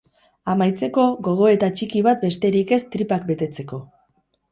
Amaitzeko, gogoeta txiki bat besterik ez tripak betetzeko.